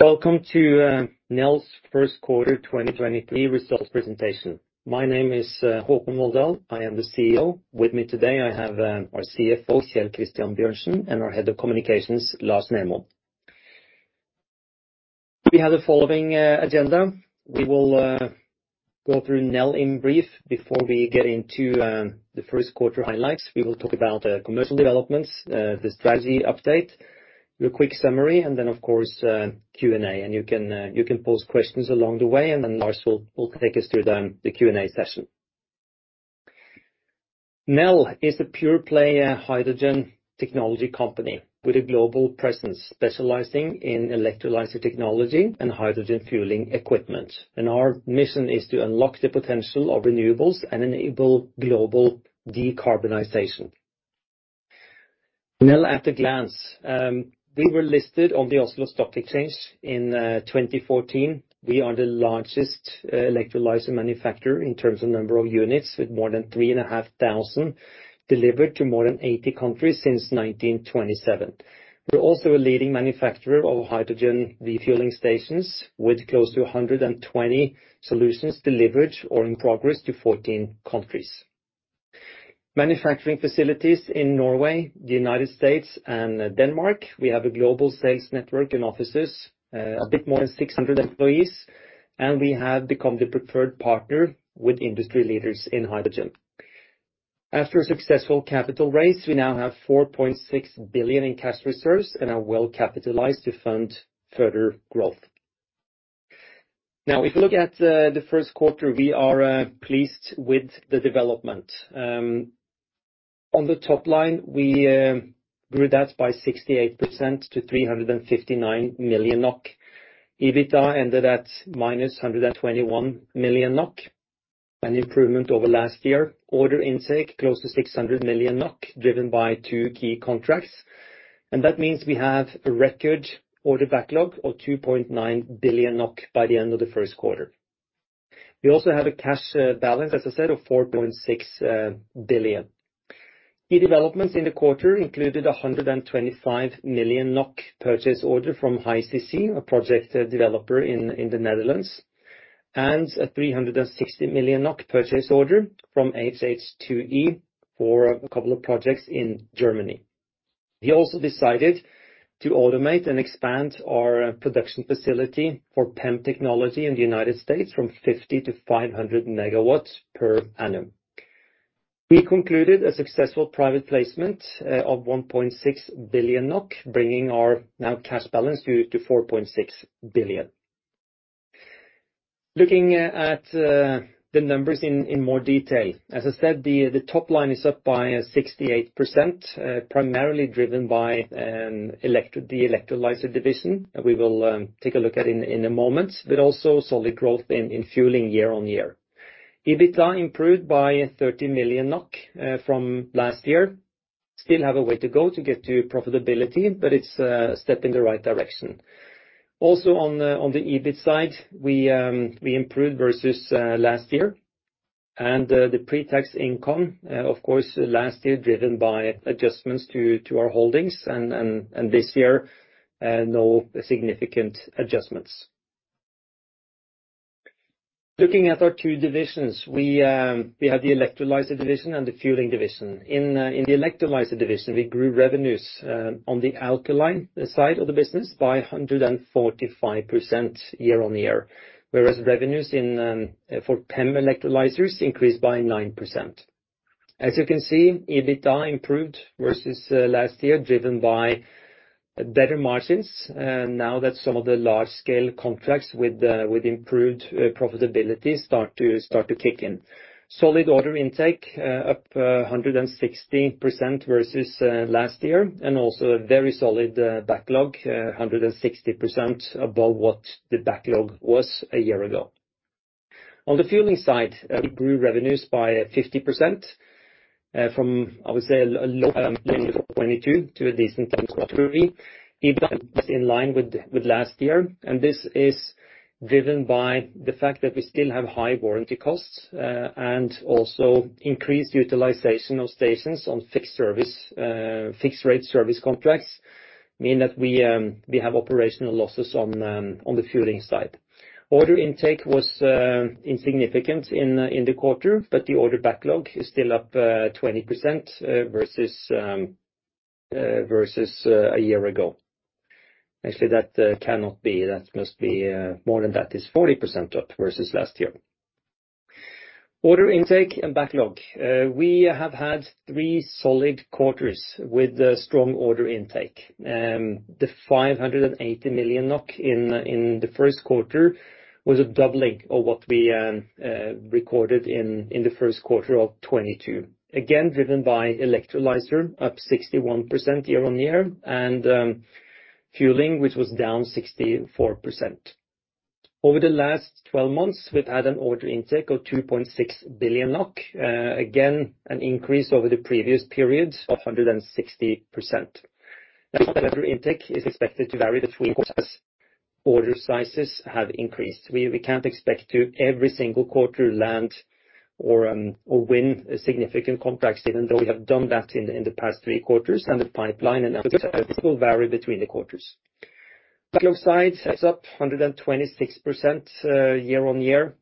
Welcome to Nel's first quarter 2023 results presentation. My name is Håkon Volldal. I am the CEO. With me today, I have our CFO, Kjell Christian Bjørnsen, and our Head of Communications, Lars Nermoen. We have the following agenda. We will go through Nel in brief before we get into the first quarter highlights. We will talk about commercial developments, the strategy update, do a quick summary, and then, of course, Q&A. You can pose questions along the way, and then Lars will take us through the Q&A session. Nel is a pure play hydrogen technology company with a global presence, specializing in electrolyzer technology and hydrogen fueling equipment. Our mission is to unlock the potential of renewables and enable global decarbonization. Nel at a glance. We were listed on the Oslo Stock Exchange in 2014. We are the largest electrolyzer manufacturer in terms of number of units, with more than 3,500 delivered to more than 80 countries since 1927. We are also a leading manufacturer of hydrogen refueling stations with close to 120 solutions delivered or in progress to 14 countries. Manufacturing facilities in Norway, the United States, and Denmark. We have a global sales network and offices, a bit more than 600 employees, and we have become the preferred partner with industry leaders in hydrogen. After a successful capital raise, we now have 4.6 billion in cash reserves and are well capitalized to fund further growth. If you look at the first quarter, we are pleased with the development. On the top line, we grew that by 68% to 359 million NOK. EBITA ended at minus 121 million NOK, an improvement over last year. Order intake, close to 600 million NOK, driven by two key contracts. That means we have a record order backlog of 2.9 billion NOK by the end of the first quarter. We also have a cash balance, as I said, of 4.6 billion. Key developments in the quarter included a 125 million NOK purchase order from HyCC, a project developer in the Netherlands, and a 360 million NOK purchase order from HH2E for a couple of projects in Germany. We also decided to automate and expand our production facility for PEM technology in the United States from 50 to 500 MW per annum. We concluded a successful private placement of 1.6 billion NOK, bringing our now cash balance to 4.6 billion. Looking at the numbers in more detail. As I said, the top line is up by 68%, primarily driven by the electrolyzer division, that we will take a look at in a moment, but also solid growth in fueling year-over-year. EBITA improved by 30 million NOK from last year. Still have a way to go to get to profitability, it's a step in the right direction. On the EBIT side, we improved versus last year. The pre-tax income, of course, last year driven by adjustments to our holdings and this year, no significant adjustments. Looking at our two divisions, we have the electrolyzer division and the fueling division. In the electrolyzer division, we grew revenues on the alkaline side of the business by 145% year on year, whereas revenues in for PEM electrolyzers increased by 9%. As you can see, EBITA improved versus last year, driven by better margins, now that some of the large scale contracts with improved profitability start to kick in. Solid order intake, up 160% versus last year, and also a very solid backlog, 160% above what the backlog was a year ago. On the fueling side, we grew revenues by 50%, from, I would say, a low 22 to a decent in line with last year. This is driven by the fact that we still have high warranty costs, and also increased utilization of stations on fixed service, fixed rate service contracts mean that we have operational losses on the fueling side. Order intake was insignificant in the quarter, but the order backlog is still up 20% versus a year ago. Actually, that cannot be. That must be more than that. It's 40% up versus last year. Order intake and backlog. We have had three solid quarters with a strong order intake. The 580 million NOK in the first quarter was a doubling of what we recorded in the first quarter of 2022. Again, driven by electrolyzer, up 61% year-on-year and fueling, which was down 64%. Over the last 12 months, we've had an order intake of 2.6 billion. Again, an increase over the previous periods of 160%. Intake is expected to vary between quarters. Order sizes have increased. We can't expect to every single quarter land or win significant contracts, even though we have done that in the past 3 quarters. The pipeline will vary between the quarters. Backlog side is up 126% year-on-year,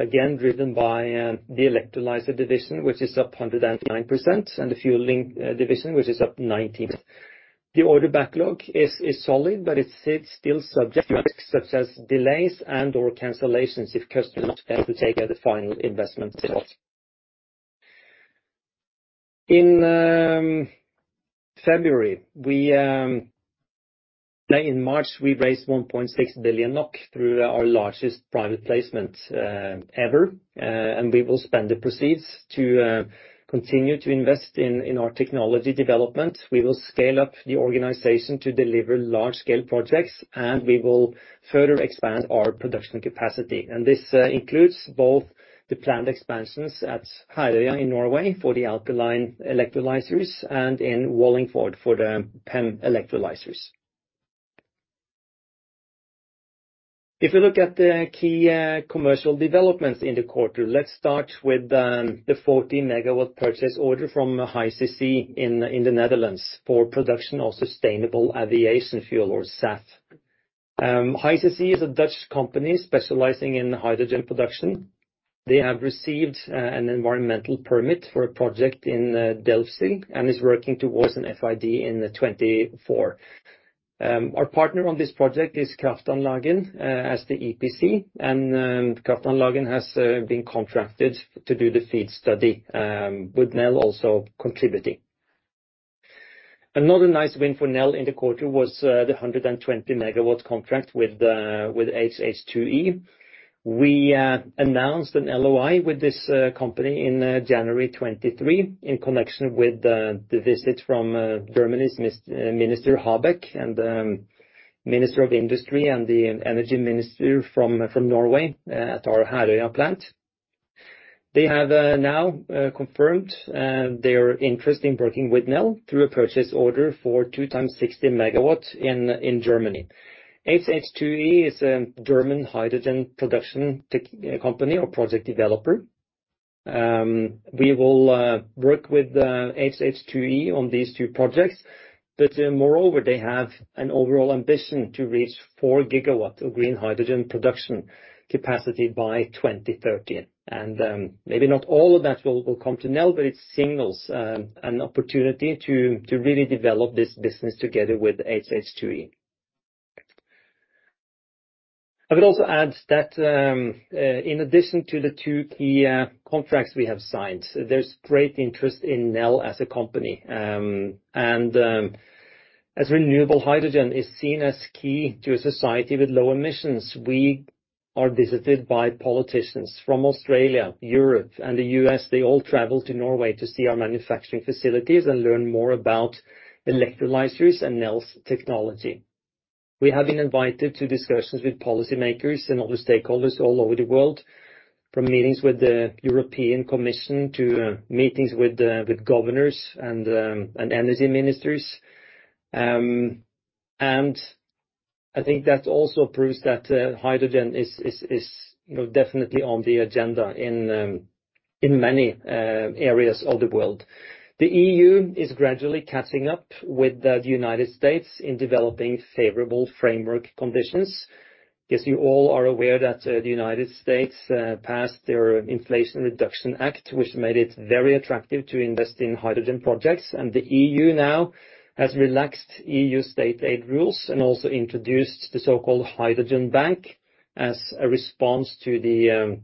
again, driven by the electrolyzer division, which is up 109%, and the fueling division, which is up 19%. The order backlog is solid, but it sits still subject such as delays and/or cancellations if customers have to take a final investment. In February, in March, we raised 1.6 billion NOK through our largest private placement ever, and we will spend the proceeds to continue to invest in our technology development. We will scale up the organization to deliver large-scale projects, and we will further expand our production capacity. This includes both the plant expansions at Herøya in Norway for the alkaline electrolyzers and in Wallingford for the PEM electrolyzers. If you look at the key commercial developments in the quarter, let's start with the 40 MW purchase order from HyCC in the Netherlands for production of sustainable aviation fuel or SAF. HyCC is a Dutch company specializing in hydrogen production. They have received an environmental permit for a project in Delfzijl and is working towards an FID in 2024. Our partner on this project is Kraftanlagen as the EPC and Kraftanlagen has been contracted to do the FEED study with Nel also contributing. Another nice win for Nel in the quarter was the 120 megawatts contract with HH2E. We announced an LOI with this company in January 2023 in connection with the visit from Germany's Minister Habeck and Minister of Industry and the Energy Minister from Norway at our Herøya plant. They have now confirmed their interest in working with Nel through a purchase order for 2x 60 MW in Germany. HH2E is a German hydrogen production company or project developer. We will work with HH2E on these two projects. Moreover, they have an overall ambition to reach 4 GW of green hydrogen production capacity by 2030. Maybe not all of that will come to Nel, but it signals an opportunity to really develop this business together with HH2E. I would also add that, in addition to the two key contracts we have signed, there's great interest in Nel as a company. As renewable hydrogen is seen as key to a society with low emissions. We are visited by politicians from Australia, Europe, and the U.S. They all travel to Norway to see our manufacturing facilities and learn more about electrolyzers and Nel's technology. We have been invited to discussions with policymakers and other stakeholders all over the world, from meetings with the European Commission to meetings with governors and energy ministers. I think that also proves that hydrogen is, is, you know, definitely on the agenda in many areas of the world. The EU is gradually catching up with the United States in developing favorable framework conditions. Guess you all are aware that the United States passed their Inflation Reduction Act, which made it very attractive to invest in hydrogen projects. The EU now has relaxed EU state aid rules and also introduced the so-called Hydrogen Bank as a response to the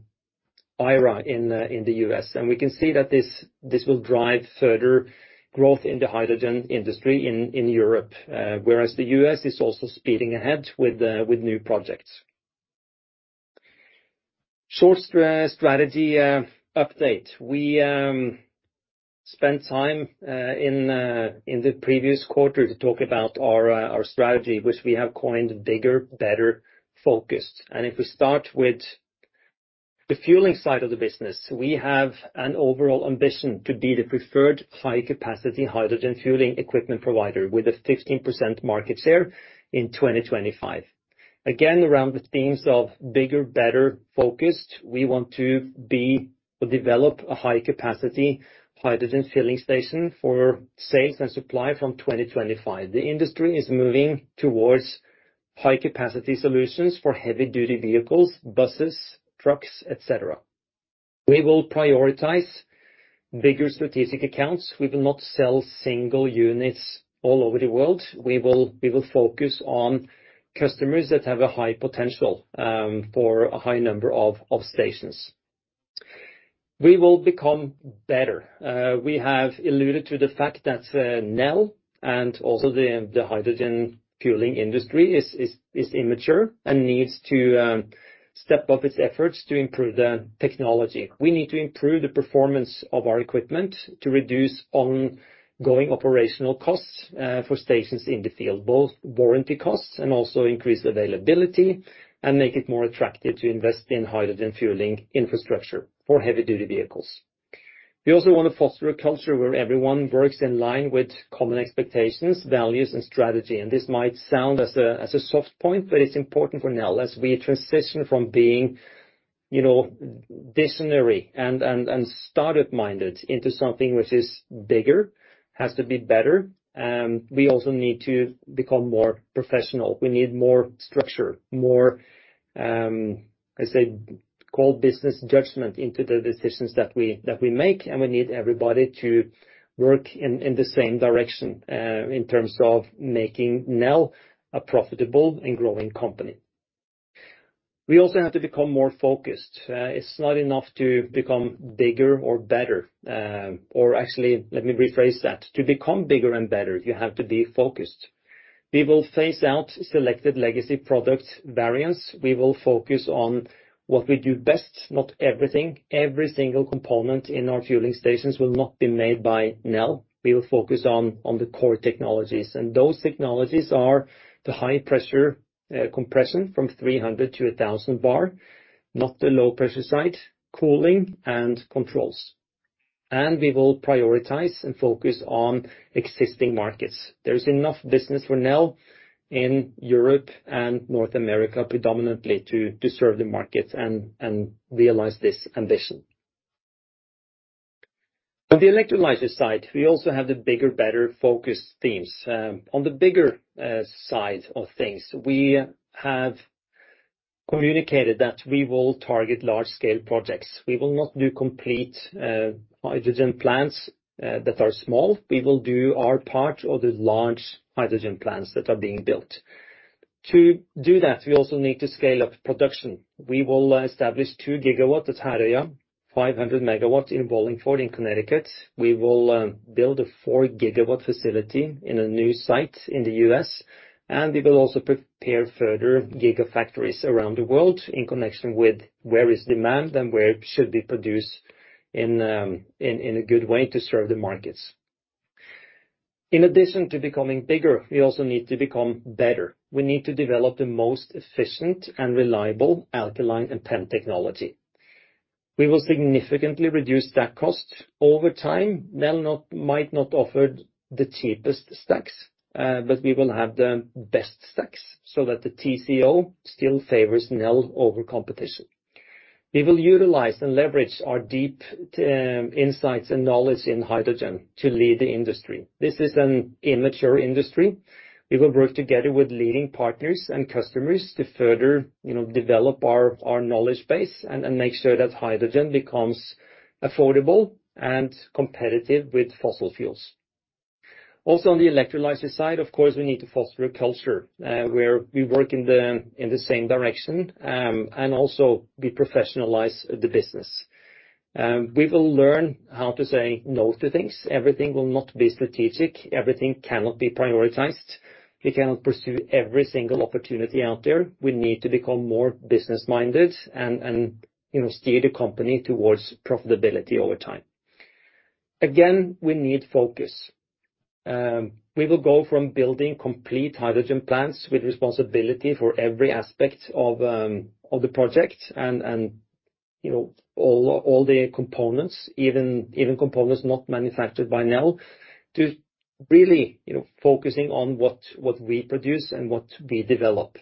IRA in the U.S. We can see that this will drive further growth in the hydrogen industry in Europe, whereas the U.S. is also speeding ahead with new projects. Short strategy update. We spent time in the previous quarter to talk about our strategy, which we have coined bigger, better focused. If we start with the fueling side of the business, we have an overall ambition to be the preferred high-capacity hydrogen fueling equipment provider with a 15% market share in 2025. Again, around the themes of bigger, better, focused, we want to be or develop a high capacity hydrogen filling station for sales and supply from 2025. The industry is moving towards high-capacity solutions for heavy-duty vehicles, buses, trucks, et cetera. We will prioritize bigger strategic accounts. We will not sell single units all over the world. We will focus on customers that have a high potential for a high number of stations. We will become better. We have alluded to the fact that Nel and also the hydrogen fueling industry is immature and needs to step up its efforts to improve the technology. We need to improve the performance of our equipment to reduce ongoing operational costs for stations in the field, both warranty costs and also increase availability and make it more attractive to invest in hydrogen fueling infrastructure for heavy-duty vehicles. We also wanna foster a culture where everyone works in line with common expectations, values, and strategy. This might sound as a soft point, but it's important for now as we transition from being, you know, visionary and startup-minded into something which is bigger, has to be better, we also need to become more professional. We need more structure, more, I say cold business judgment into the decisions that we make, and we need everybody to work in the same direction in terms of making Nel a profitable and growing company. We also have to become more focused. It's not enough to become bigger or better, or actually, let me rephrase that. To become bigger and better, you have to be focused. We will phase out selected legacy product variants. We will focus on what we do best, not everything. Every single component in our fueling stations will not be made by Nel. We will focus on the core technologies, and those technologies are the high pressure compression from 300 to 1,000 bar, not the low pressure side, cooling and controls. We will prioritize and focus on existing markets. There is enough business for Nel in Europe and North America predominantly to serve the markets and realize this ambition. On the electrolyzer side, we also have the bigger, better focus themes. On the bigger side of things, we have communicated that we will target large scale projects. We will not do complete hydrogen plants that are small. We will do our part of the large hydrogen plants that are being built. To do that, we also need to scale up production. We will establish 2 GW at Herøya, 500 MW in Wallingford, in Connecticut. We will build a 4 GW facility in a new site in the U.S., and we will also prepare further gigafactories around the world in connection with where is demand and where should we produce in a good way to serve the markets. In addition to becoming bigger, we also need to become better. We need to develop the most efficient and reliable alkaline and PEM technology. We will significantly reduce that cost over time. Nel not, might not offer the cheapest stacks, but we will have the best stacks so that the TCO still favors Nel over competition. We will utilize and leverage our deep insights and knowledge in hydrogen to lead the industry. This is an immature industry. We will work together with leading partners and customers to further, you know, develop our knowledge base and make sure that hydrogen becomes affordable and competitive with fossil fuels. On the electrolyzer side, of course, we need to foster a culture where we work in the same direction, and also we professionalize the business. We will learn how to say no to things. Everything will not be strategic. Everything cannot be prioritized. We cannot pursue every single opportunity out there. We need to become more business-minded and, you know, steer the company towards profitability over time. Again, we need focus. We will go from building complete hydrogen plants with responsibility for every aspect of the project and, you know, all the components, even components not manufactured by Nel, to really, you know, focusing on what we produce and what we develop.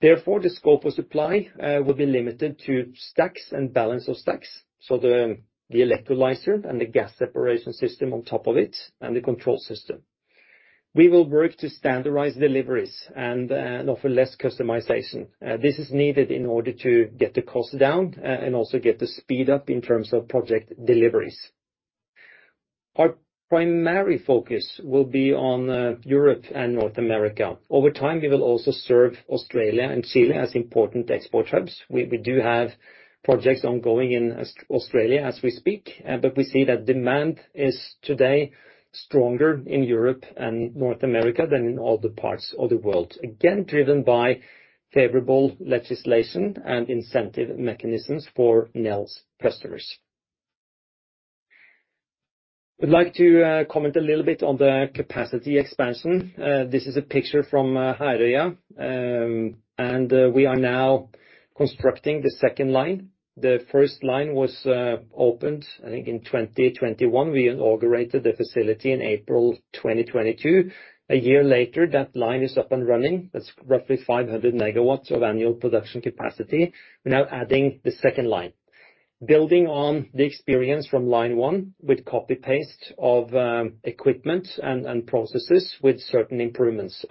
Therefore, the scope of supply will be limited to stacks and balance of stacks, so the electrolyzer and the gas separation system on top of it and the control system. We will work to standardize deliveries and offer less customization. This is needed in order to get the cost down and also get the speed up in terms of project deliveries. Our primary focus will be on Europe and North America. Over time, we will also serve Australia and Chile as important export hubs. We do have projects ongoing in Australia as we speak, but we see that demand is today stronger in Europe and North America than in other parts of the world. Again, driven by favorable legislation and incentive mechanisms for Nel's customers. We'd like to comment a little bit on the capacity expansion. This is a picture from Herøya, and we are now constructing the second line. The first line was opened, I think, in 2021. We inaugurated the facility in April 2022. A year later, that line is up and running. That's roughly 500 megawatts of annual production capacity. We're now adding the second line. Building on the experience from line one with copy-paste of equipment and processes with certain improvements.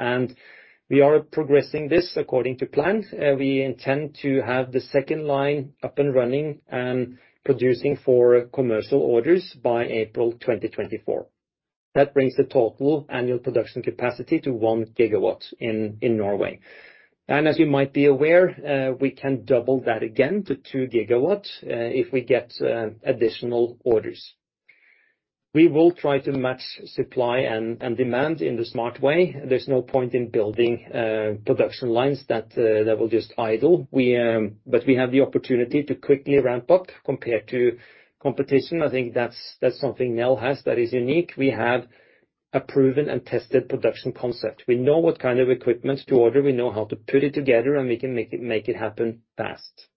We are progressing this according to plan. We intend to have the second line up and running and producing for commercial orders by April 2024. That brings the total annual production capacity to 1 GW in Norway. As you might be aware, we can double that again to 2 GW if we get additional orders. We will try to match supply and demand in the smart way. There's no point in building production lines that will just idle. We have the opportunity to quickly ramp up compared to competition. I think that's something Nel has that is unique. We have a proven and tested production concept. We know what kind of equipment to order, we know how to put it together, and we can make it happen fast.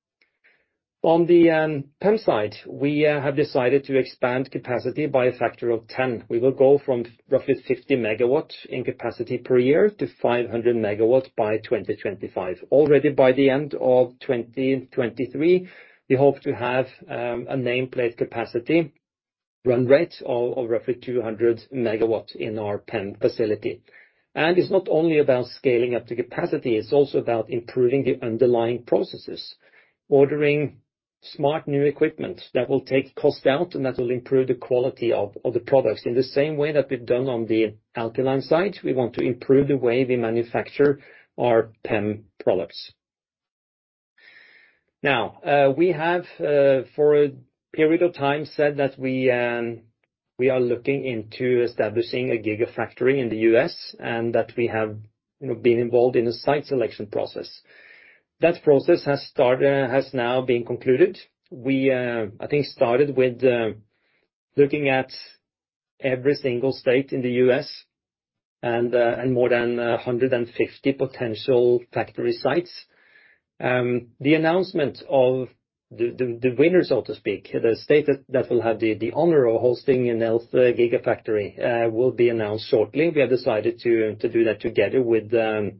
On the PEM side, we have decided to expand capacity by a factor of 10. We will go from roughly 50 MW in capacity per year to 500 MW by 2025. Already by the end of 2023, we hope to have a nameplate capacity run rate of roughly 200 megawatts in our PEM facility. It's not only about scaling up the capacity, it's also about improving the underlying processes. Ordering smart new equipment that will take cost out and that will improve the quality of the products. In the same way that we've done on the alkaline side, we want to improve the way we manufacture our PEM products. We have for a period of time said that we are looking into establishing a gigafactory in the U.S. and that we have, you know, been involved in a site selection process. That process has now been concluded. We, I think, started with looking at every single state in the U.S. and more than 150 potential factory sites. The announcement of the winners, so to speak, the state that will have the honor of hosting an Nel gigafactory will be announced shortly. We have decided to do that together with the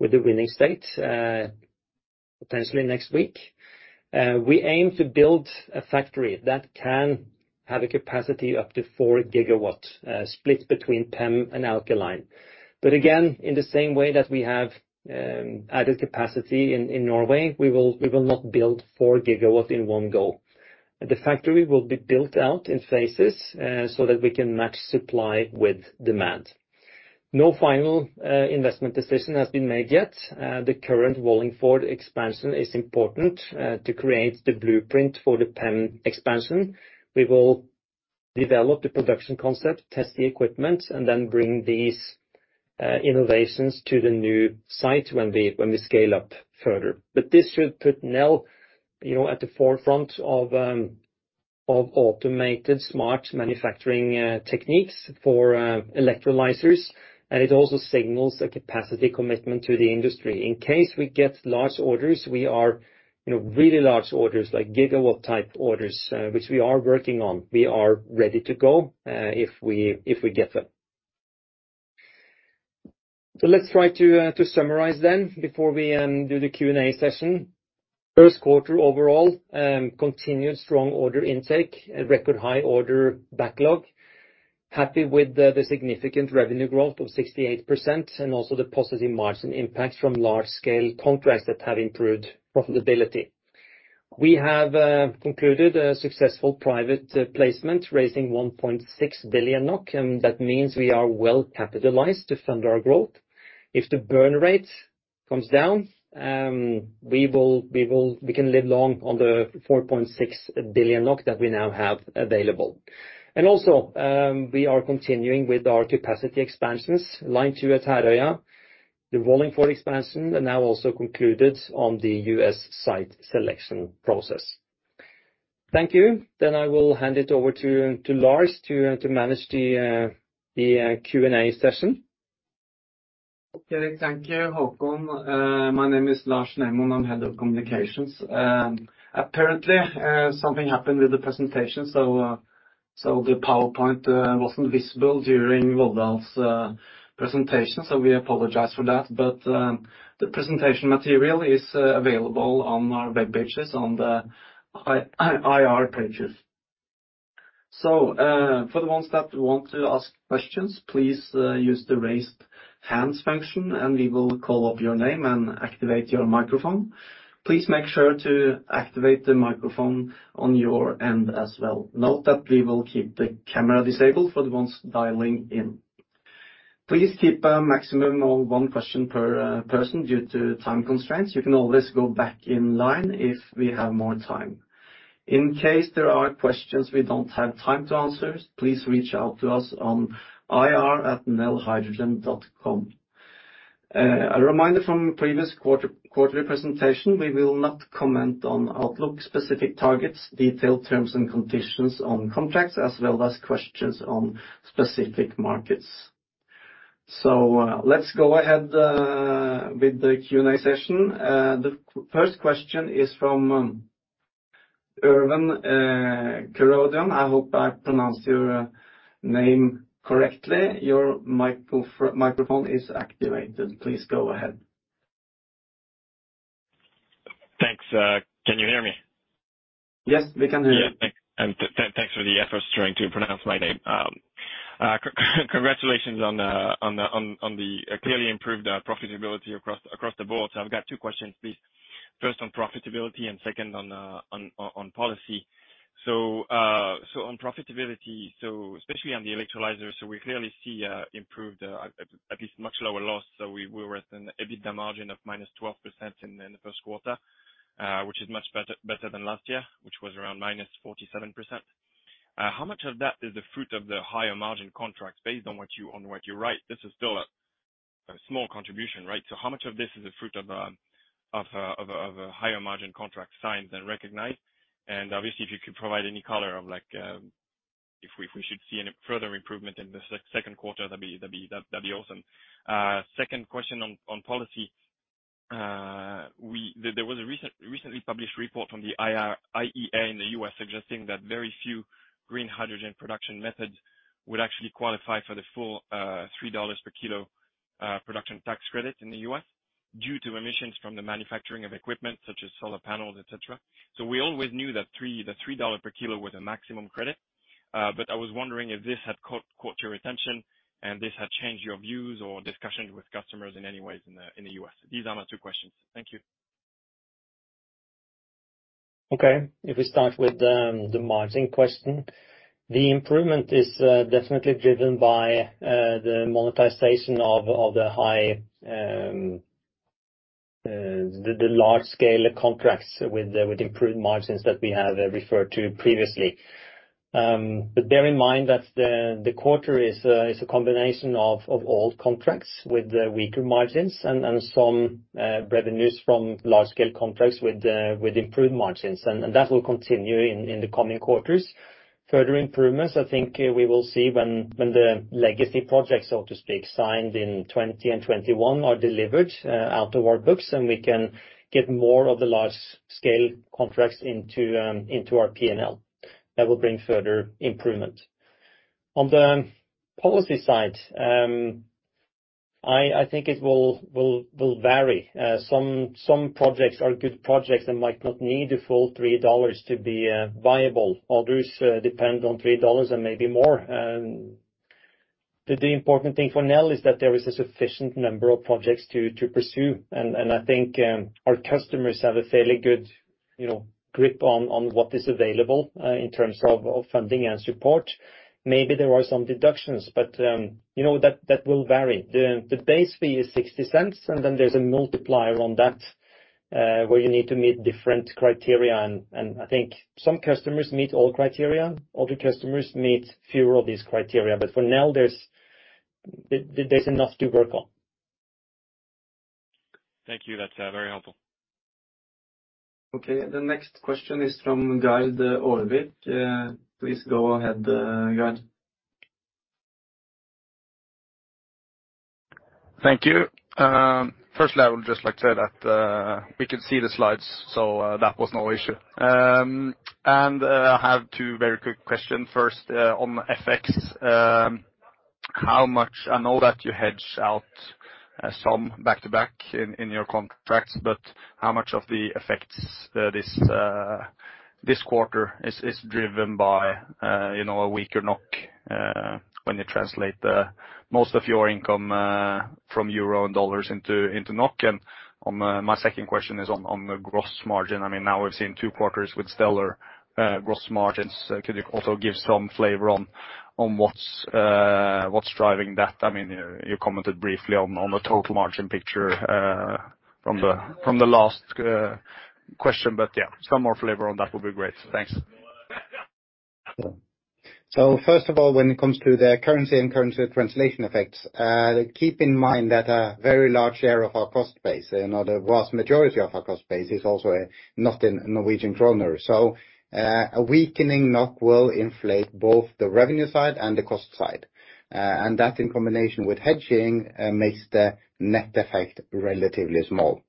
winning state, potentially next week. We aim to build a factory that can have a capacity up to 4 GW, split between PEM and alkaline. Again, in the same way that we have added capacity in Norway, we will not build 4 GW in one go. The factory will be built out in phases so that we can match supply with demand. No final investment decision has been made yet. The current Wallingford expansion is important to create the blueprint for the PEM expansion. We will develop the production concept, test the equipment, and then bring these innovations to the new site when we scale up further. This should put Nel, you know, at the forefront of automated smart manufacturing techniques for electrolyzers. It also signals a capacity commitment to the industry. In case we get large orders, we are, you know, really large orders, like gigawatt type orders, which we are working on. We are ready to go, if we, if we get them. Let's try to summarize then before we do the Q&A session. First quarter overall, continued strong order intake, a record high order backlog. Happy with the significant revenue growth of 68% and also the positive margin impact from large-scale contracts that have improved profitability. We have concluded a successful private placement, raising 1.6 billion NOK, and that means we are well capitalized to fund our growth. If the burn rate comes down, we can live long on the 4.6 billion that we now have available. Also, we are continuing with our capacity expansions, line two at Herøya, the Wallingford expansion, and now also concluded on the U.S. site selection process. Thank you. I will hand it over to Lars to manage the Q&A session. Okay, thank you, Håkon. My name is Lars Nermoen. I'm Head of Communications. Apparently, something happened with the presentation. The PowerPoint wasn't visible during Volldal's presentation. We apologize for that. The presentation material is available on our web pages on the IR pages. For the ones that want to ask questions, please use the raise hands function, and we will call up your name and activate your microphone. Please make sure to activate the microphone on your end as well. Note that we will keep the camera disabled for the ones dialing in. Please keep a maximum of one question per person due to time constraints. You can always go back in line if we have more time. In case there are questions we don't have time to answer, please reach out to us on ir@nelhydrogen.com. A reminder from previous quarterly presentation, we will not comment on outlook, specific targets, detailed terms and conditions on contracts, as well as questions on specific markets. Let's go ahead with the Q&A session. The first question is from Urban Kjøstad. I hope I pronounced your name correctly. Your microphone is activated. Please go ahead. Thanks. Can you hear me? Yes, we can hear you. Yeah, thanks for the efforts trying to pronounce my name. Congratulations on the clearly improved profitability across the board. I've got two questions, please. First on profitability and second on policy. On profitability, especially on the electrolyzer, we clearly see improved, at least much lower loss. We were at an EBITDA margin of minus 12% in the first quarter, which is much better than last year, which was around minus 47%. How much of that is the fruit of the higher margin contracts? Based on what you write, this is still a small contribution, right? How much of this is a fruit of a higher margin contract signed than recognized? Obviously, if you could provide any color of like, if we should see any further improvement in the second quarter, that'd be awesome. Second question on policy. There was a recently published report from the IEA in the U.S. suggesting that very few green hydrogen production methods would actually qualify for the full $3 per kilo production tax credit in the U.S. due to emissions from the manufacturing of equipment such as solar panels, et cetera. We always knew that the $3 per kilo was a maximum credit. I was wondering if this had caught your attention and this had changed your views or discussions with customers in any ways in the U.S. These are my two questions. Thank you. Okay. If we start with the margin question. The improvement is definitely driven by the monetization of the high the large scale contracts with improved margins that we have referred to previously. But bear in mind that the quarter is a combination of old contracts with weaker margins and some revenues from large scale contracts with improved margins. That will continue in the coming quarters. Further improvements, I think, we will see when the legacy projects, so to speak, signed in 2020 and 2021 are delivered out of our books, and we can get more of the large scale contracts into our P&L. That will bring further improvement. On the policy side, I think it will vary. Some projects are good projects and might not need the full $3 to be viable. Others depend on $3 and maybe more. The important thing for Nel is that there is a sufficient number of projects to pursue. I think our customers have a fairly good, you know, grip on what is available in terms of funding and support. Maybe there are some deductions. You know, that will vary. The base fee is $0.60, and then there's a multiplier on that where you need to meet different criteria. I think some customers meet all criteria, other customers meet fewer of these criteria. For now, there's enough to work on. Thank you. That's very helpful. Okay. The next question is from Gard Orvik. Please go ahead, Guide. Thank you. Firstly, I would just like to say that we can see the slides, that was no issue. I have two very quick questions. First, on effects. How much I know that you hedge out some back to back in your contracts, but how much of the effects this quarter is driven by, you know, a weaker NOK, when you translate the most of your income from EUR and USD into NOK? My second question is on the gross margin. I mean, now we've seen 2 quarters with stellar gross margins. Could you also give some flavor on what's driving that? I mean, you commented briefly on the total margin picture from the last question. Yeah, some more flavor on that would be great. Thanks. First of all, when it comes to the currency and currency translation effects, keep in mind that a very large share of our cost base, you know, the vast majority of our cost base is also not in Norwegian kroner. A weakening NOK will inflate both the revenue side and the cost side. And that in combination with hedging makes the net effect relatively small.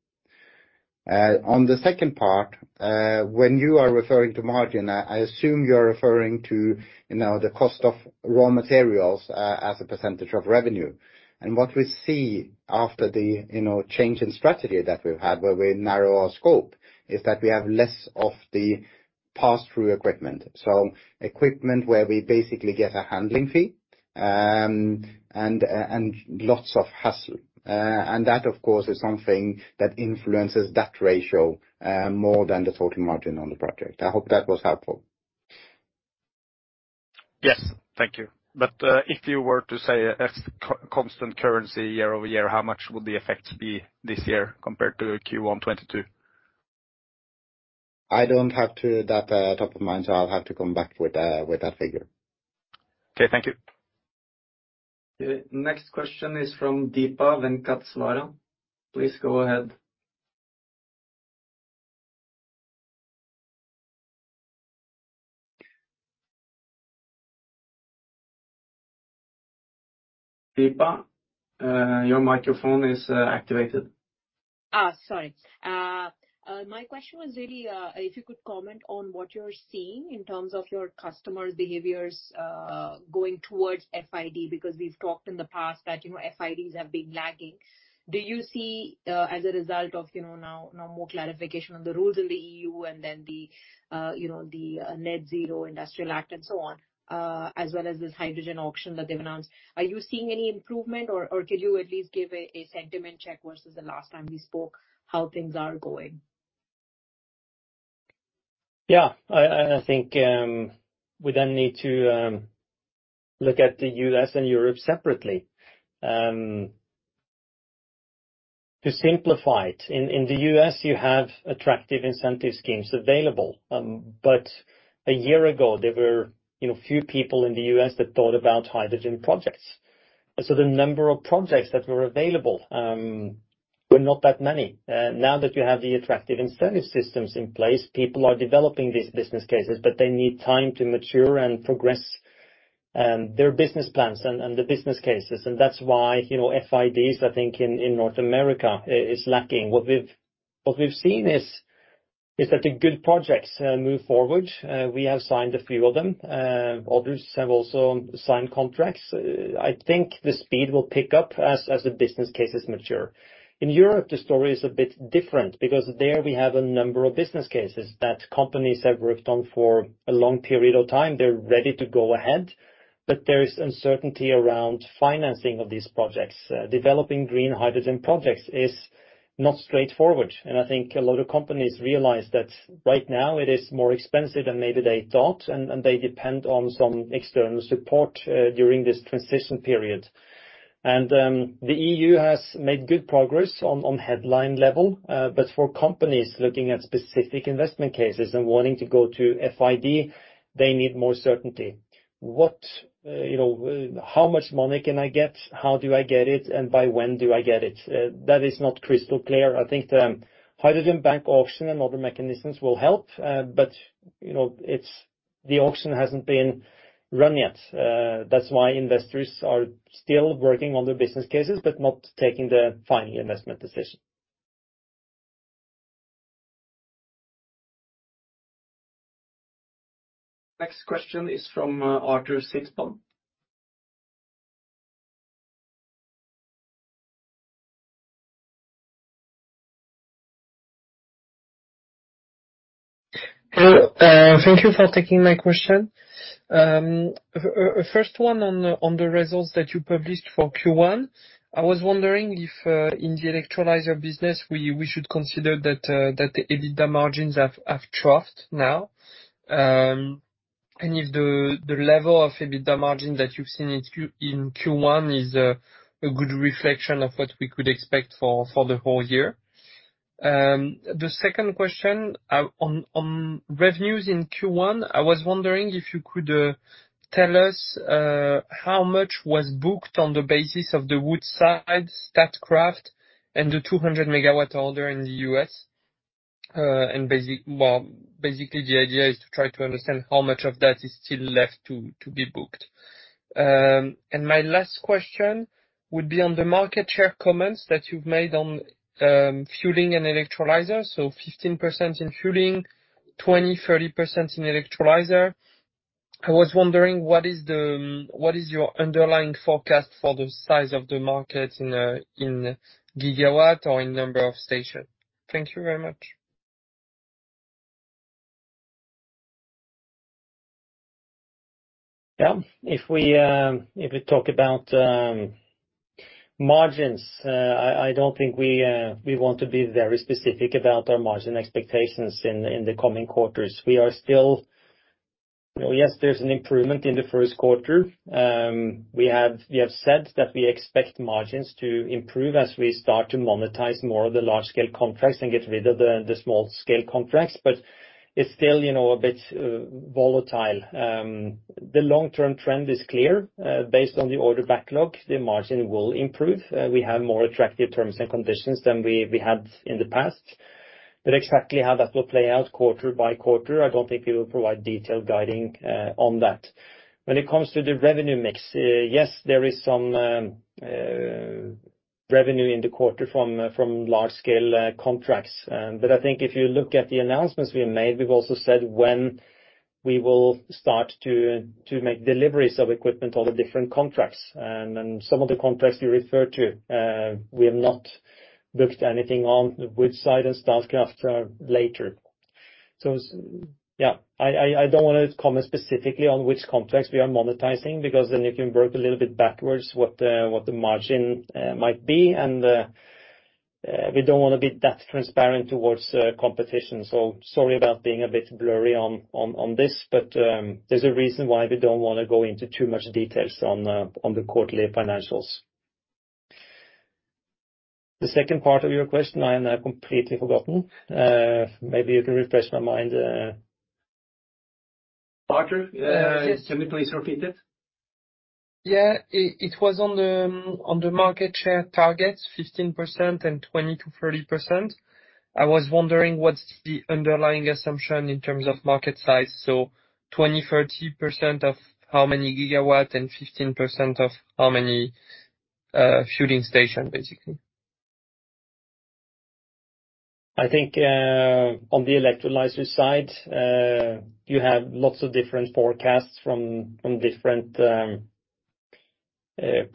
On the second part, when you are referring to margin, I assume you're referring to, you know, the cost of raw materials as a percentage of revenue. What we see after the, you know, change in strategy that we've had, where we narrow our scope, is that we have less of the pass-through equipment. Equipment where we basically get a handling fee, and lots of hassle. That, of course, is something that influences that ratio more than the total margin on the project. I hope that was helpful. Yes. Thank you. If you were to say x co-constant currency year-over-year, how much would the effects be this year compared to Q1 2022? I don't have to that top of mind, so I'll have to come back with that figure. Okay. Thank you. Next question is from Deepa Venkateswaran. Please go ahead. Deepa, your microphone is activated. Sorry. My question was really if you could comment on what you're seeing in terms of your customers' behaviors, going towards FID, because we've talked in the past that, you know, FIDs have been lagging. Do you see, as a result of, you know, now more clarification on the rules in the EU and then the, you know, the Net-Zero Industry Act and so on, as well as this hydrogen auction that they've announced? Are you seeing any improvement or could you at least give a sentiment check versus the last time we spoke, how things are going? I think we need to look at the U.S. and Europe separately. To simplify it, in the U.S. you have attractive incentive schemes available. A year ago, there were, you know, few people in the U.S. that thought about hydrogen projects. The number of projects that were available were not that many. Now that you have the attractive incentive systems in place, people are developing these business cases, they need time to mature and progress their business plans and the business cases. That's why, you know, FIDs, I think, in North America is lacking. What we've seen is that the good projects move forward. We have signed a few of them. Others have also signed contracts. I think the speed will pick up as the business cases mature. In Europe, the story is a bit different because there we have a number of business cases that companies have worked on for a long period of time. They're ready to go ahead, but there is uncertainty around financing of these projects. Developing green hydrogen projects is not straightforward, and I think a lot of companies realize that right now it is more expensive than maybe they thought, and they depend on some external support during this transition period. The EU has made good progress on headline level. For companies looking at specific investment cases and wanting to go to FID, they need more certainty. What You know, how much money can I get? How do I get it, and by when do I get it? That is not crystal clear. I think the Hydrogen Bank auction and other mechanisms will help. You know, the auction hasn't been run yet. That's why investors are still working on their business cases but not taking the final investment decision. Next question is from, Arthur Sitbon. Hello. Thank you for taking my question. First one on the results that you published for Q1. I was wondering if in the electrolyzer business, we should consider that the EBITDA margins have troughed now, and if the level of EBITDA margin that you've seen in Q1 is a good reflection of what we could expect for the whole year. The second question on revenues in Q1, I was wondering if you could tell us how much was booked on the basis of the Woodside Statkraft and the 200 megawatt order in the U.S. Basically, the idea is to try to understand how much of that is still left to be booked. My last question would be on the market share comments that you've made on fueling and electrolyzer. 15% in fueling, 20%-30% in electrolyzer. I was wondering what is the, what is your underlying forecast for the size of the market in gigawatt or in number of stations? Thank you very much. If we talk about margins, I don't think we want to be very specific about our margin expectations in the coming quarters. We are still. Yes, there's an improvement in the first quarter. We have said that we expect margins to improve as we start to monetize more of the large-scale contracts and get rid of the small-scale contracts, but it's still, you know, a bit volatile. The long-term trend is clear. Based on the order backlog, the margin will improve. We have more attractive terms and conditions than we had in the past. Exactly how that will play out quarter by quarter, I don't think we will provide detailed guiding on that. When it comes to the revenue mix, yes, there is some revenue in the quarter from large-scale contracts. But I think if you look at the announcements we made, we've also said when we will start to make deliveries of equipment on the different contracts. Some of the contracts you referred to, we have not booked anything on Woodside Energy and Statkraft later. Yeah, I don't wanna comment specifically on which contracts we are monetizing because then you can work a little bit backwards what the margin might be, and we don't wanna be that transparent towards competition. Sorry about being a bit blurry on this, but there's a reason why we don't wanna go into too much details on the quarterly financials. The second part of your question, I have completely forgotten. Maybe you can refresh my mind? Arthur, can you please repeat it? It was on the market share targets, 15% and 20%-30%. I was wondering what's the underlying assumption in terms of market size. 20%-30% of how many gigawatt and 15% of how many fueling station, basically. I think on the electrolyzer side, you have lots of different forecasts from different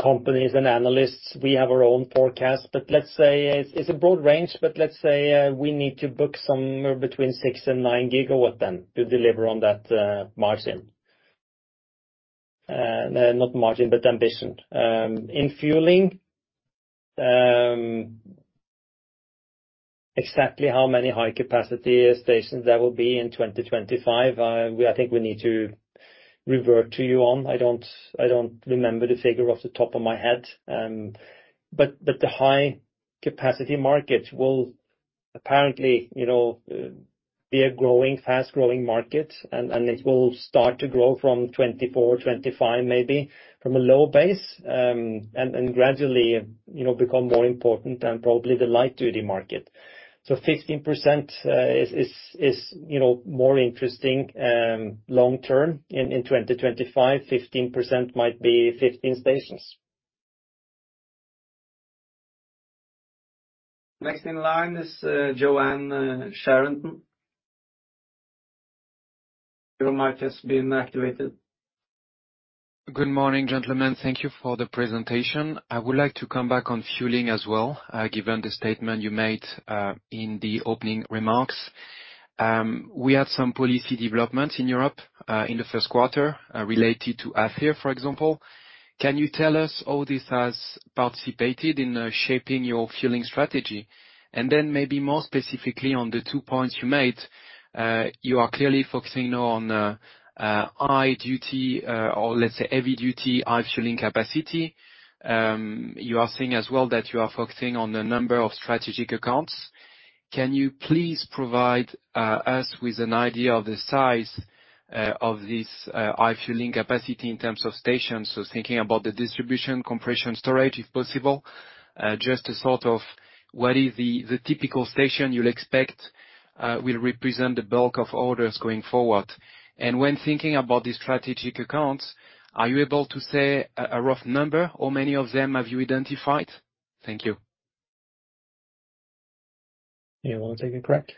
companies and analysts. We have our own forecast, but let's say it's a broad range. Let's say we need to book somewhere between 6 and 9 gigawatt then to deliver on that margin. Not margin, but ambition. In fueling, exactly how many high capacity stations there will be in 2025, I think we need to revert to you on, I don't remember the figure off the top of my head. The high capacity market will apparently, you know, be a growing, fast-growing market, and it will start to grow from 2024, 2025, maybe from a low base, and then gradually, you know, become more important than probably the light duty market. 15%, you know, more interesting, long-term in 2025, 15% might be 15 stations. Next in line is, Yoann Charenton. Your mic has been activated. Good morning, gentlemen. Thank you for the presentation. I would like to come back on fueling as well, given the statement you made in the opening remarks. We had some policy developments in Europe in the first quarter, related to AFIR, for example. Can you tell us how this has participated in shaping your fueling strategy? Maybe more specifically on the two points you made, you are clearly focusing on high duty, or let's say heavy duty high fueling capacity. You are saying as well that you are focusing on the number of strategic accounts. Can you please provide us with an idea of the size of this high fueling capacity in terms of stations? Thinking about the distribution, compression, storage, if possible, just to sort of what is the typical station you'd expect, will represent the bulk of orders going forward. When thinking about the strategic accounts, are you able to say a rough number, how many of them have you identified? Thank you. You wanna take it? Correct.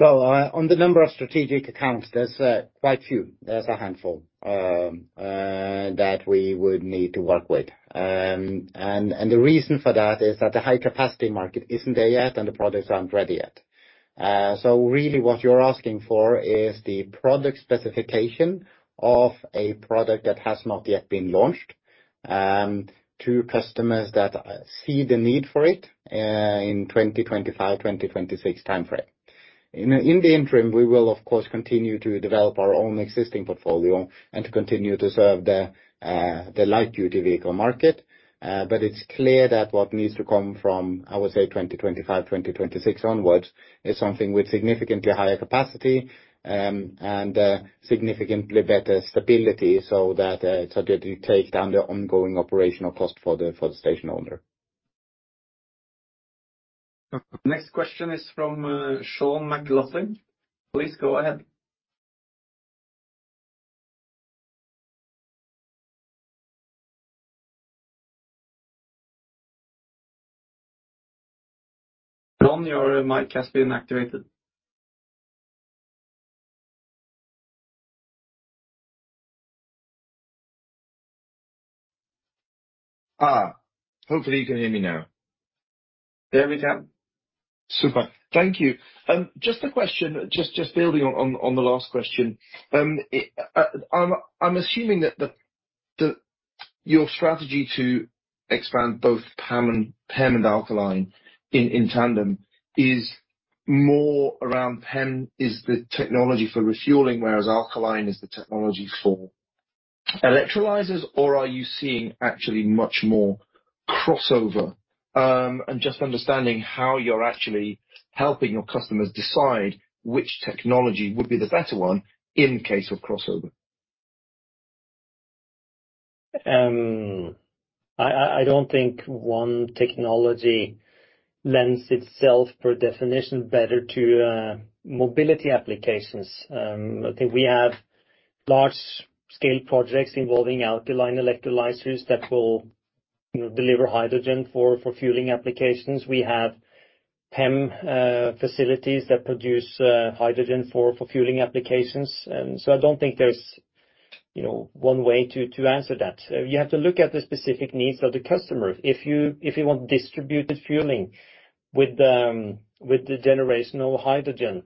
On the number of strategic accounts, there's quite a few. There's a handful that we would need to work with. The reason for that is that the high capacity market isn't there yet and the products aren't ready yet. Really what you're asking for is the product specification of a product that has not yet been launched to customers that see the need for it in 2025, 2026 time frame. In the interim, we will of course, continue to develop our own existing portfolio and to continue to serve the light-duty vehicle market. It's clear that what needs to come from, I would say 2025, 2026 onwards, is something with significantly higher capacity, and significantly better stability, so that it takes down the ongoing operational cost for the station owner. Next question is from Sean McLoughlin. Please go ahead. Sean, your mic has been activated. Hopefully you can hear me now. There we go. Super. Thank you. Just a question, just building on the last question. I'm assuming that your strategy to expand both PEM and alkaline in tandem is more around PEM is the technology for refueling, whereas alkaline is the technology for electrolyzers. Are you seeing actually much more crossover? Just understanding how you're actually helping your customers decide which technology would be the better one in case of crossover. I don't think one technology lends itself per definition better to mobility applications. I think we have large-scale projects involving alkaline electrolyzers that will deliver hydrogen for fueling applications. We have PEM facilities that produce hydrogen for fueling applications. I don't think there's, you know, one way to answer that. You have to look at the specific needs of the customer. If you want distributed fueling with the generational hydrogen,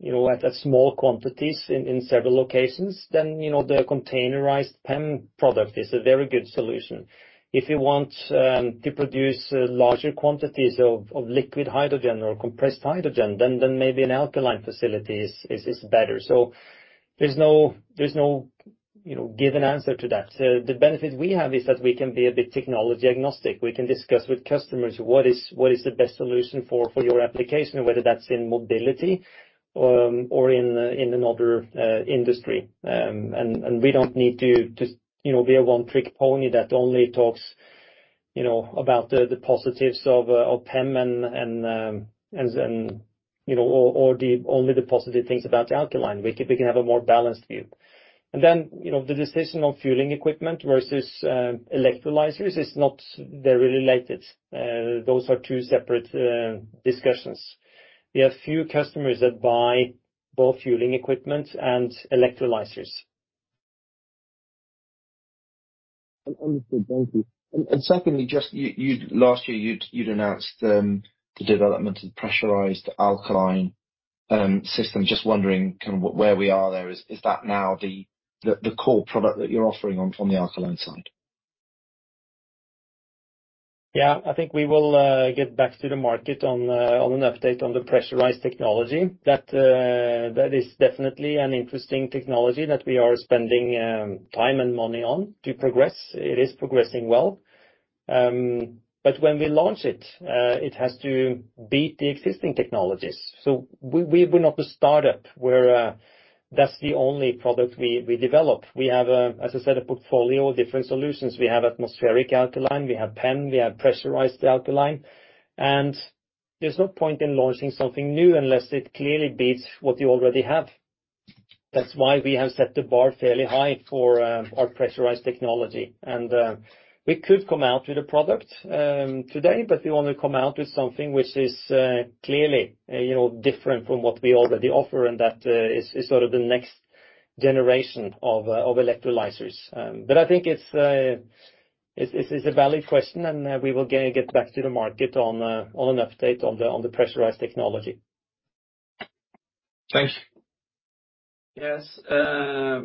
you know, at small quantities in several locations, then, you know, the containerized PEM product is a very good solution. If you want to produce larger quantities of liquid hydrogen or compressed hydrogen, then maybe an alkaline facility is better. There's no, you know, given answer to that. The benefit we have is that we can be a bit technology agnostic. We can discuss with customers what is the best solution for your application, whether that's in mobility, or in another industry. We don't need to just, you know, be a one-trick pony that only talks, you know, about the positives of PEM and, you know, or the only the positive things about alkaline. We can have a more balanced view. You know, the decision on fueling equipment versus electrolyzers is not very related. Those are two separate discussions. We have few customers that buy both fueling equipment and electrolyzers. Understood. Thank you. Secondly, just you last year you'd announced the development of pressurized alkaline system. Just wondering kind of where we are there. Is that now the core product that you're offering on the alkaline side? Yeah, I think we will get back to the market on an update on the pressurized technology. That is definitely an interesting technology that we are spending time and money on to progress. It is progressing well. When we launch it has to beat the existing technologies. We, we're not a startup where that's the only product we develop. We have a, as I said, a portfolio of different solutions. We have atmospheric alkaline, we have PEM, we have pressurized alkaline. There's no point in launching something new unless it clearly beats what you already have. That's why we have set the bar fairly high for our pressurized technology. We could come out with a product today, but we wanna come out with something which is clearly, you know, different from what we already offer, and that is sort of the next generation of electrolyzers. I think it's a valid question, and we will get back to the market on an update on the pressurized technology. Thanks. Yes.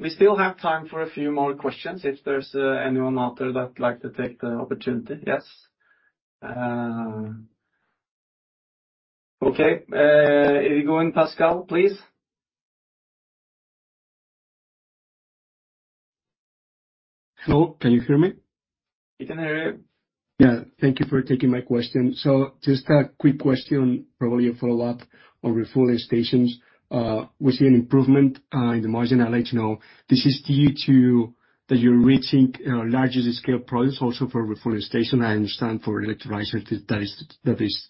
We still have time for a few more questions if there's anyone out there that would like to take the opportunity. Yes. Okay. Are we going Pascal, please? Hello. Can you hear me? We can hear you. Thank you for taking my question. Just a quick question, probably a follow-up on refueling stations. We see an improvement in the margin. I'd like to know, this is due to that you're reaching larger scale products also for refueling station. I understand for electrolyzer that is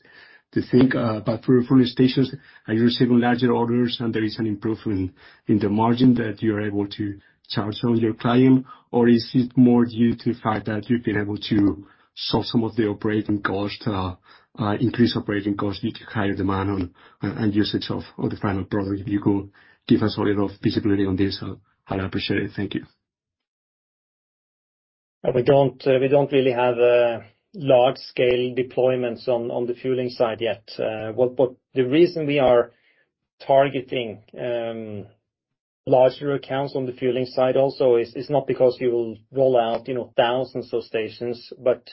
to think, but for refueling stations, are you receiving larger orders and there is an improvement in the margin that you're able to charge on your client? Or is it more due to the fact that you've been able to solve some of the operating costs, increased operating costs due to higher demand on, and usage of the final product? If you could give us a little visibility on this, I'd appreciate it. Thank you. We don't really have large scale deployments on the fueling side yet. The reason we are targeting larger accounts on the fueling side also is not because you will roll out, you know, thousands of stations, but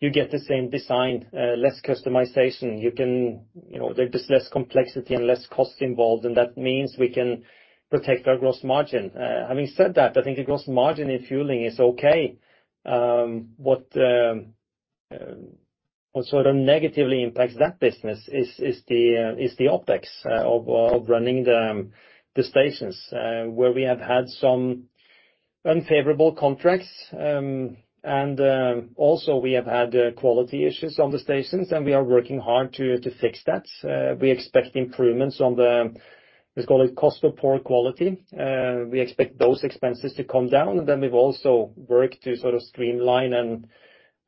you get the same design, less customization. You can, you know, there's less complexity and less cost involved, that means we can protect our gross margin. Having said that, I think the gross margin in fueling is okay. What sort of negatively impacts that business is the OpEx of running the stations where we have had some unfavorable contracts. Also we have had quality issues on the stations, and we are working hard to fix that. We expect improvements on the, let's call it cost of poor quality. We expect those expenses to come down. We've also worked to sort of streamline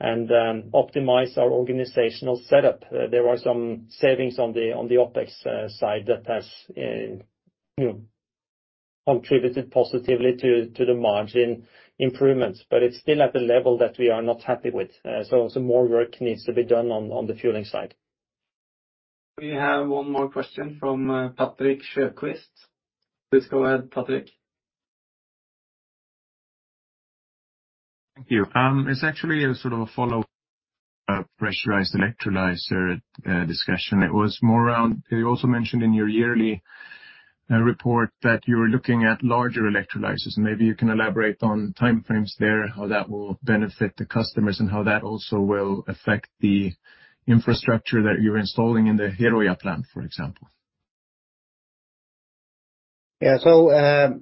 and optimize our organizational setup. There are some savings on the OpEx side that has, you know, contributed positively to the margin improvements. It's still at a level that we are not happy with. More work needs to be done on the fueling side. We have one more question from Patrick Sjöquist. Please go ahead, Patrick. Thank you. It's actually a sort of a follow-up pressurized electrolyzer discussion. It was more around. You also mentioned in your yearly report that you were looking at larger electrolyzers. Maybe you can elaborate on time frames there, how that will benefit the customers, and how that also will affect the infrastructure that you're installing in the Herøya plant, for example. Yeah.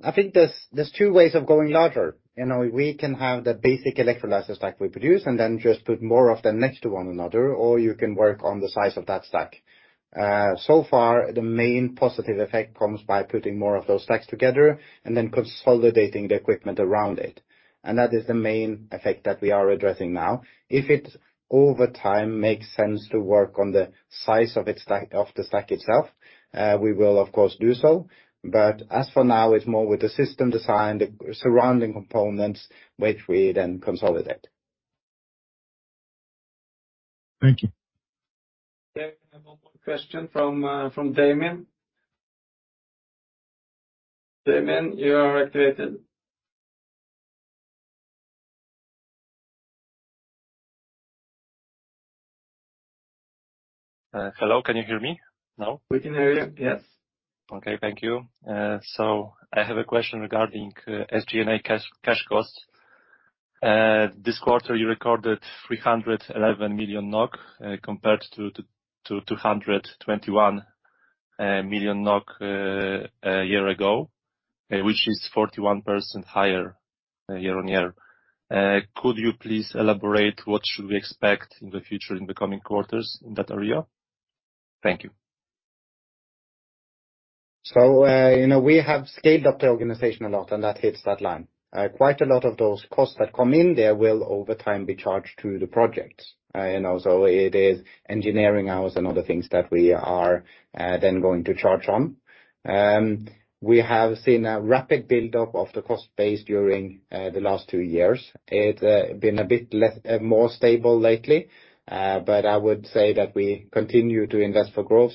I think there's two ways of going larger. You know, we can have the basic electrolyzers like we produce, and then just put more of them next to one another, or you can work on the size of that stack. So far, the main positive effect comes by putting more of those stacks together and then consolidating the equipment around it. That is the main effect that we are addressing now. If it, over time, makes sense to work on the size of the stack itself, we will of course do so. As for now, it's more with the system design, the surrounding components which we then consolidate. Thank you. Okay. One more question from Damien. Damien, you are activated. Hello, can you hear me now? We can hear you, yes. Okay, thank you. I have a question regarding SG&A cash costs. This quarter you recorded 311 million NOK, compared to 221 million NOK a year ago, which is 41% higher year-over-year. Could you please elaborate what should we expect in the future in the coming quarters in that area? Thank you. You know, we have scaled up the organization a lot, and that hits that line. Quite a lot of those costs that come in there will over time be charged to the projects. You know, so it is engineering hours and other things that we are, then going to charge on. We have seen a rapid buildup of the cost base during, the last two years. It, been a bit more stable lately. I would say that we continue to invest for growth.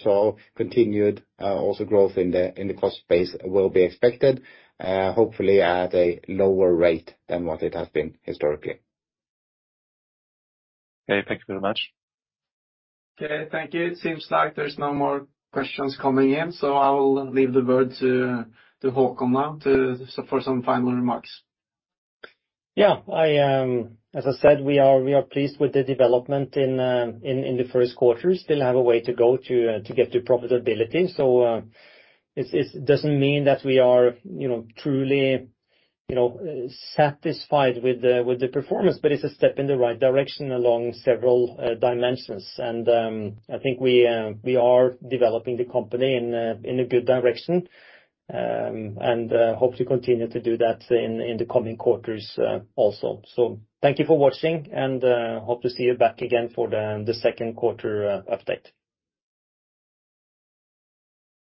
Continued, also growth in the, in the cost base will be expected, hopefully at a lower rate than what it has been historically. Okay. Thank you very much. Okay, thank you. It seems like there's no more questions coming in. I will leave the word to Håkon now for some final remarks. Yeah. I, as I said, we are pleased with the development in the first quarter. Still have a way to go to get to profitability. It doesn't mean that we are, you know, truly, you know, satisfied with the performance, but it's a step in the right direction along several dimensions. I think we are developing the company in a good direction, and hope to continue to do that in the coming quarters also. Thank you for watching, and hope to see you back again for the second quarter update.